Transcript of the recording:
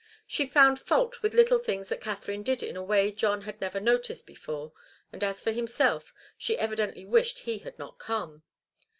She found fault with little things that Katharine did in a way John had never noticed before, and as for himself, she evidently wished he had not come.